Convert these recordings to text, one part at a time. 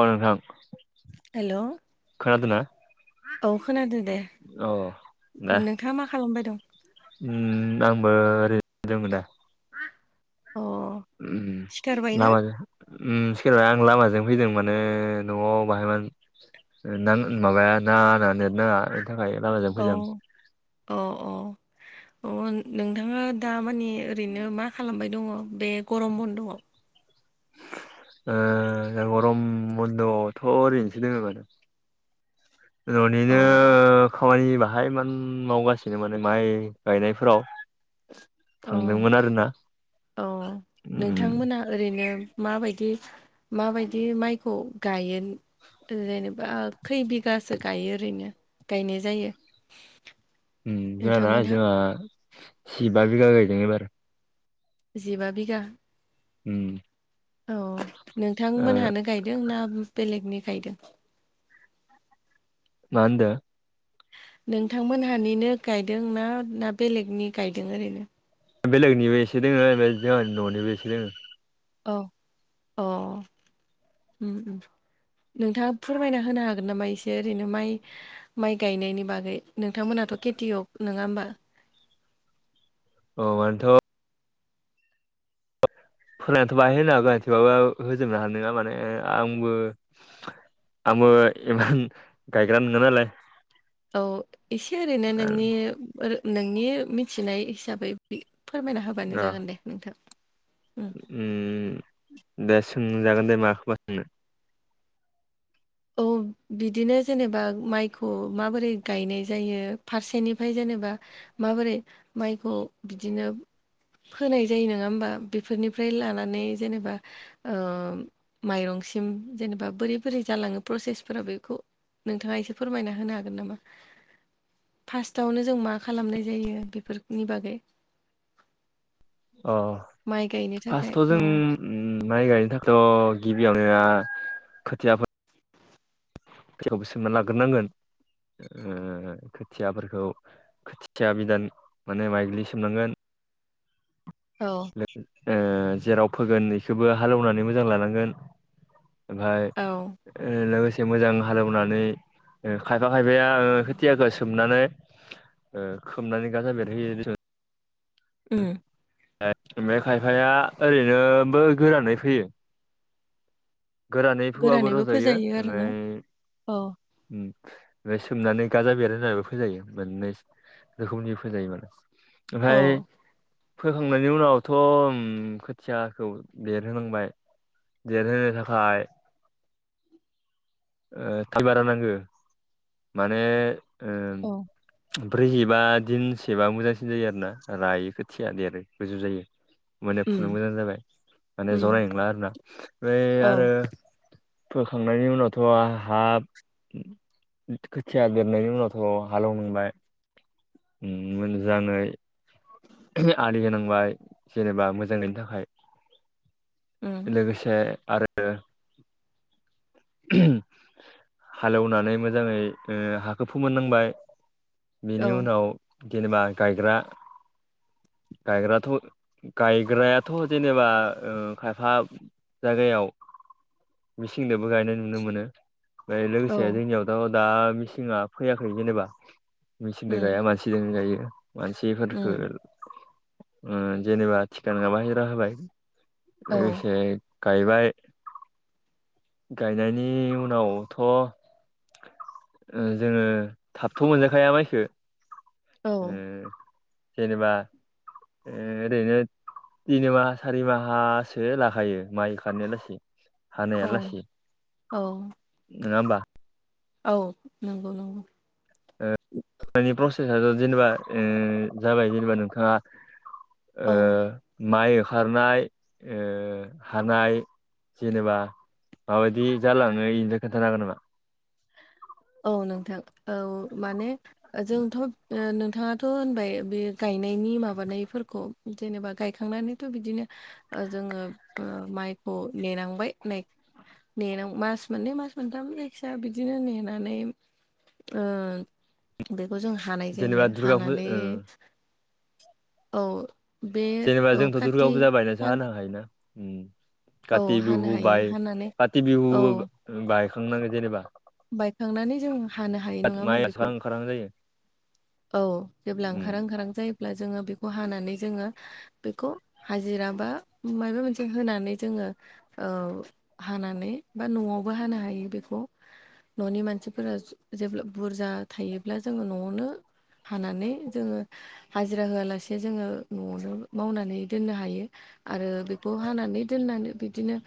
औ नोंथां हेल' खोनादोंना औ खोनादो दे। अ दा नोंथाङा मा खालामबाय दं? आंबो ओरैनो दोङो दा। अ सिखारबायना [unintelligible] उम सेरबा आं लामाजों फैदों माने न'आव बाहाय मान नों माबाया ना आंना नेट नाङा बेनि थाखाय लामाजों औ फैदों। अ अ। अ नोंथाङा दामानि ओरैनो मा खालामबाय दङ? बे गरम बन्द'आव? ओ गरम बन्द'आवथ' ओरैनोसो दोङो मानो। अ ननिनो खामानि बाहायमान मावगासिनो माने माइ गायनायफोराव अ थांदोंमोन आरोना औ उम नोंथांमोना ओरैनो माबायदि माबायदि माइखौ गाइयो जेनेबा? बा खै बिगासो गायो ओरैनो गायनाय जायो? ओम जाहाना नोंथांमोनहा जोंहा जिबा बिगा गायदों एबार। जिबा बिगा? उम। औ ओ नोंथांमोनहानो गायदों ना बेलेगनि गायदों? मा होनदो? नोंथांमोनहानिनो गायदों ना ना बेलेगनि गायदों ओरैनो? बेलेगनिबो एसे दङो ओमफ्राय जोंहानि न'निबो एसे दोङो। औ अ ओम ओम। नोंथाङा फोरमायना होनो हागोन नामा एसे ओरैनो माइ माइ गायनायनि बागै नोंथांमोनाथ' खेथियग नङा होमबा? औ बेन्थ' होनायाथ' बाहाय होनो हागोन थेवबाबो होजोबनो हानाय नङा माने आंबो आंबो इमान गायग्रा नङा नालाय औ एसे ओरैनो नोंनि ओ नोंनि मिथिनाय हिसाबै फोरमायना होबानो अ जागोन दे नोंथां। उम दे सोंजागोन दे माखौबा सोंनो औ बिदिनो जेनेबा माइखौ माबोरै गायनाय जायो फारसेनिफ्राय जेनेबा माबोरै माइखौ बिदिनो फोनाय जायो नङा होमबा बेफोरनिफ्राय लानानै जेनेबा ओ माइरंसिम जेनेबा बोरै बोरै जालाङो प्रसेसफोरा बेखौ नोंथाङा एसे फोरमायना होनो हागोन नामा? फार्स्टआवनो जों मा खालामनाय जायो बेफोरनि बागै अ माइ गायनो थाखाय फार्स्टआव जों औ ओम माइ गायनो थाथ' गिबियावनो खोथियाफो सोमना लाग्रोनांगोन। खोथियाफोरखौ खोथिया बिदान माने माइग्लिसोमनांगोन औ ओ जेराव फोगोन बेखौबो हालेवनानै मोजां लानांगोन। ओमफ्राय औ लोगोसे एसे मोजां हालौनानै खायफा खायफाया खोथियाखौ सोमनानै ओ खोमनानै गाजा बेरहो उ ओमफ्राय खायफाया ओरैनोबो गोरानै फैयो गोरानै फुवाबबो गोरानैबो रजयो फोजायो आरोना ओमफाय औ ओमफाय सोमनानै गाजा बेरहोना फोजायो रोखोमनि फोजायो औ ओमफ्राय फोखांनायनि उनावथ' ओम खोथियाखौ देरहोलांबाय देरहोनो थाखाय फाय ओ थालबारा होनांगो माने ओ औ ब्रैजिबा दिनसेबा मोजांसिन जायो आरोना रायो खोथिया देरो गोजौ जायो। माने फुनो उम मोजां जाबाय माने उम जनाय नंला आरोना ओमफ्राय औ आरो फोखांनायनि उनाव थ' हाब खोथिया बेरनायनि उनावथ' हालेवनांबाय ओम मोजाङै आलि होनांबाय जेनेबा मोजाङैनो थाखाय उम लोगोसे आरो हालेवनानै मोजाङै ओ हा होफु मोननांबाय औ बिनि उनाव जेनेबा गायग्रा गायग्राथ' गायग्रायाथ' जेनेबा खायफा जागायाव मिसिं दोबो गायनाय नुनो मोनो। ओमफ्राय औ लोगोसे जोंनियावथ' दा मिसिं फैयाखै जेनेबा उम मिचिंदोगाया मानसि जों गायो मानसिफोरफोरखौ उम ओ जेनेबा थिखा नङाबा हिरा होबाय औ लोगोसे गायबाय गायनायनि उनावथ' जोंङो थाबथ' मोनजाखाया माइखो औ ओ जेनेबा ओरैनो तिनि माह सारि माहासो लाखायो माइ खारनाय लासे औ हानाया लासै औ नङा होमबा औ नंगौ नंगौ प्रसेसथ' जेनेबा जाबाय ओ जेनेबा नोंथाङा ओ औ माइ होखारनाय हानाय जेनेबा माबायदि जालाङो बेनिनो खोन्थानो हागोन नामा? औ नोंथां औ माने जोंथ ओ' नोंथाङाथ' होनबाय बे गायनायनि माबानायफोरखौ जेनेबा गायखानानैथ बिदिनो ओ जोङो माइखौ नेनांबाय नै। नेेनाव मास मोननै मास मोनथाम जायखिजाया बिदिनो नेेन। नै ओ बेखौ जों हानाय जायो जेनेबा दुर्गा फुजा हानानै ओ औ। बे जेनेबा औ जोंथ' दुर्गा खाथि फुजा बायनासो हानो हायो ना। औ काथि हानो बिहु हायो बाय हानानै काथि औ बिहु बायखांनांगौ जेनेबा बायखांनानै जों हानो हायो नङा होमबा माइ बेखौ स्रां खारां जायो औ जेब्ला उम ओंखारा ओंखारां जायोब्ला जोंङो बेखौ हानानै जोंङो बेखौ हाजिरा बा माबा मोनसे होनानै जोंङो औ हानानै बा न'आवबो हानो हायो बेखौ। न'नि मानसिफोरा जेब्ला बुरजा थायोब्ला जोङो न'आवनो हानानै जोङो। हाजिरा होआलासे जोङो न'आवनो मावनानै दोननो हायो आरो बेखौ हानानै दोननानै बिदिनो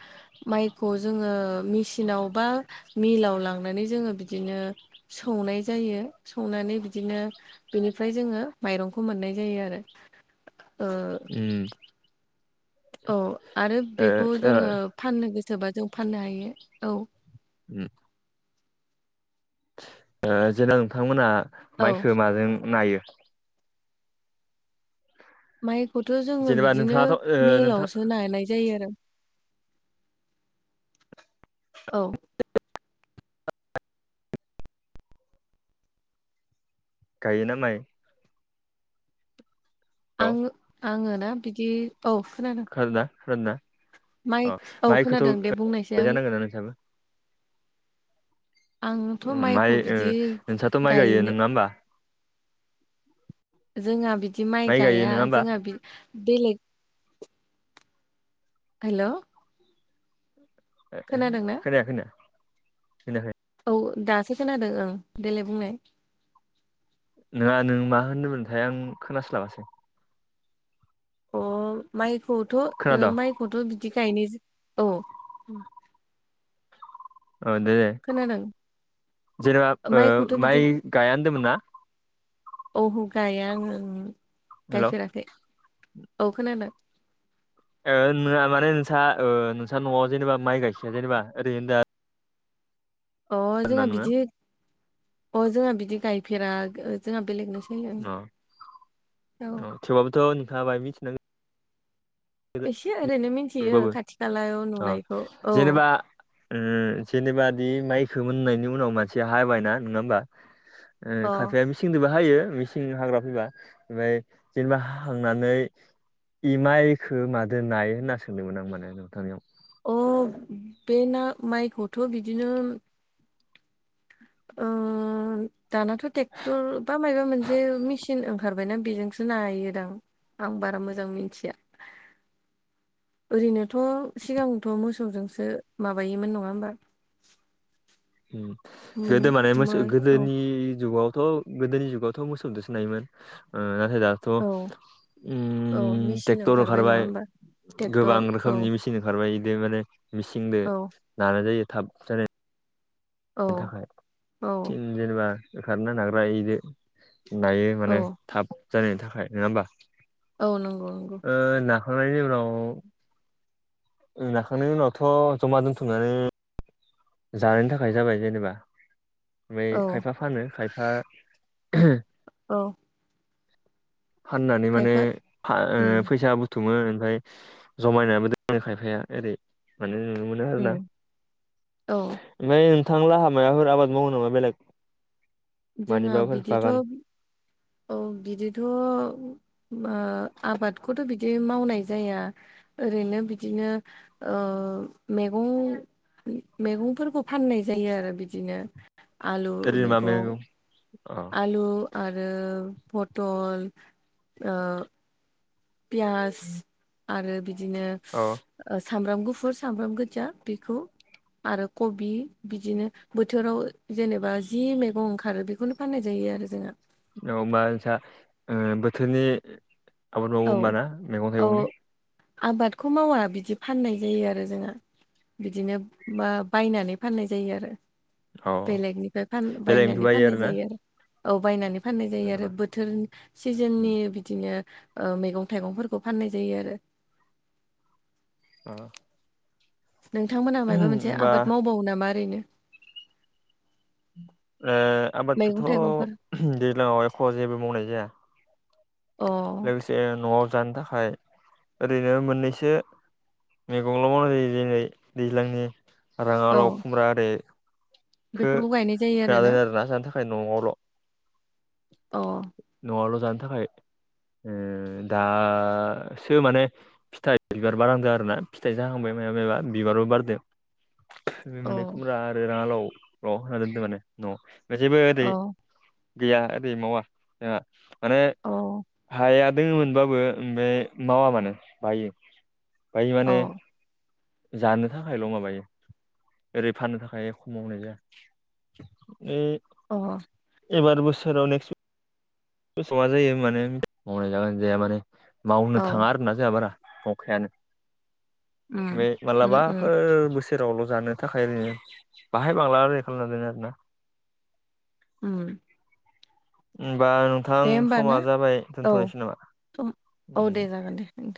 माइखौ जोङो मेसिनाव बा मिलाव लांनानै जोङो बिदिनो सौनाय जायो सौनानै बिदिनो बेनिफ्राय जोङो माइरंखौ मोननाय जायो आरो। उ औ आरो ओ बेखौ ओ जोङो फाननो गोसोबा जों फाननो हायो औ। उम ओ जे नोंथांमोना औ माइखो माजों नायो? माइखौथ' जोङो जेनेबा बिदिनो नोंथाङाथ' ओ नोंथां मिलावसो नानाय जायो आरो। औ गायोना माइ? औ आङो आङो ना बिदि औ खोनादों। खोनादोंना खोनादोंना? माइ अ औ माहायखौथ' खोनादों दे बुंनायसै आं जानांगोन ना नोंथां। आंथ' माइ माइखौ ओ बिदि नोंस्राथ' माइ गायो गायनो नङा होमबा? जोंहा बिदि माइ गायो गाया नङा होमबा जोंहा बेलेग हेल' खोनादोंना खोनाया खोनाया खोनाया। औ दासो खोनादों ओं देलाय बुंनाय। नोङा नों मा होनदोंमोनथाय आं खोनास्लाबासै। अ माइखौथ' ओ खोनादों माइखौथ' बिदि गायनाय औ। उम औ दे दे खोनादों जेनेबा ओ माइ गाया होनदोंमोन ना? औह गाया आङो हेल' गायफेराखै औ खोनादों। ओ नोङा माने नोंसा नोंसा न'आव जेनेबा माइ गायसया जेनेबा ओरै होनदों आरो। अ जोंहा नोङो बिदि अ जोंहा बिदि गायफेरा जोंहा बेलेगनो अ अ थेवबाबोथ' नोंथांआ बाय मिथिनांगोन। अ एसे ओरैनो मिथियो खाथि खालायाव नुनायखौ औ जेनेबा ओ जेनेबादि माइखोमोननायनि उनाव मानसिया हाबायना नङा होमबा? ओ अ खाफाया मेसिंजोंबो हायो मेसिंजों हाग्रा फैबा ओमफ्राय जेनेबा हाखांनानै इमायखौ मादो नाय होनना सोंदोंमोन आं माने नोंथांनियाव? अ बे ना माइखौथ' बिदिनो ओ दानाथ' टेक्टर बा मबा मोनसे मिसिन ओंखार जाबायना बेजोंसो नायोदां आं बारा मोजां मिथिया। ओरैनोथ' सिगांथ' मोसौजोंसो माबायोमोन नङा होमबा? उम, गोदो माने मो मोसौ औ गोदोनि जुगावथ' गोदोनि जुगावथ' मोसौजोंसो नायोमोन ओ नाथाय दा थ औ औ ओम मेचिन ट्रेक्टर ओंखारबाय ओखारबाय नङा होमबा गोबां ट्रेक्टर औ रोखोमनि मेसिन ओखारबाय बिद माने मिसिंजों औ नानाय जायो थाब जानाय औ बिनि थाखाय औ थिन जेनेबा ओखारनो नाग्रा इजों नायो माने औ थाब जानायनि थाखाय नङा होमबा? औ नंगौ नंगौ ओ नाखांनायनि उनाव नाखांनायनि उनावथ' जमा दोनथुमनानै जानायनि थाखाय जाबाय जेनेबा ओमफ्राय औ खायफा फानो खायफा औ फाननानै माने खायफा उम फैसा आ बु बुथुमो ओमफ्राय जमायनानैबो दोनो खायफाया ओरै माने नुनो मोनो। आरो ना। औ ओमफ्राय नोंथांलाहा माबाफोर आबाद मावो नामा बेलेग जोंहा मानिबाफोर बिदिथ' बागान? औ बिदिथ' ओ आबादखौथ' बिदि मावनाय जाया। ओरैनो बिदिनो ओ मैगं मैगंफोरखौ फाननाय जायो आरो बिदिनो आलु ओरैनो मा मैगं अ आलु आरो फटल ओ पियास आरो बिदिनो औ। सामब्राम गुफुर सामब्राम गोजा बेखौ आरो कबि बिदिनो बोथोराव जेनेबा जि मैगं ओंखारो बेखौनो फाननाय जायो आरो जोंहा। [unintelligible] ओ बोथोरनि आबाद मावो औ होमबाना मैगं थाइगंनि? औ आबादखौ मावा बिदि फाननाय जायो आरो जोंहा। बिदिनो बायनानै फाननाय जायो आरो। अ बेलेगनिफ्राय फान बेलेगनिखौ बायनानै बायो फाननाय आरोना जायो। औ बायनानै फाननाय जायो आरो जेनेबा बोथोर सिजोननि बिदिनो ओ मैगं थाइगंफोरखौ फाननाय जायो आरो। [inaudible] नोंथांमोनहा मायबा मोनसे होमबा आबाद मावबावो नामा ओरैनो? ओ मैगं थाइगंफोर आबादखौथ' दैज्लाङाव एख' जेबो मावनाय जाया। अ। लोगोसे न'आव जानो थाखाय ओरैनो मोननैसो मैगंल' मावनाय जायो जेरै दैज्लांनि राङा लाव औ खुमब्रा आरो बेफोरखौ गायनाय जायो आरोना दोनो जानो थाखाय न'आवल' अ। न'आवल' जानो थाखाय ओ दासो माने फिथाइ बिबार बारांदों आरो ना फिथाइ जाहांबाय माबा मबा बिबारबो बारदों। बे मोनै खुमब्रा आरो राङालाव ल' होनना दोनदों माने न' ओमफ्राय जेबो ओरै औ गैया ओरै मावा जोंहा माने औ हाया दङ मोनबाबो बे मावा मानो बायो बायो औ माने जानो थाखायल' माबायो ओरै फाननो थाखाय एख मावनाय जाया। ए। औ। एबार बोसोराव नेक्स गोसौआ जायो माने मावनाय जागोन जाया माने मावनो औ थाङा आर ना जोंहा बारा। नंखायानो उम बे उम उम मालाबाफोर बोसोर सेरावल' जानो थाखाय ओरैनो बाहाय बांला राय खालामादों आरो ना। [inaudible] हबा नोंथां दे होमबा समा ना जाबाय औ दोनथ'नोसै नामा? सम- औ दे जागोन दे नोंथां